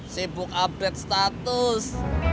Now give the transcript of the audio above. sibuk update status